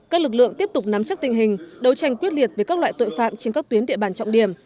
các lực lượng tiếp tục nắm chắc tình hình đấu tranh quyết liệt với các loại tội phạm trên các tuyến địa bàn trọng điểm